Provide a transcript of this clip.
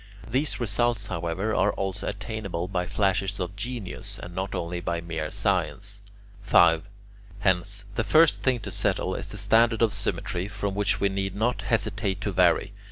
These results, however, are also attainable by flashes of genius, and not only by mere science. 5. Hence, the first thing to settle is the standard of symmetry, from which we need not hesitate to vary.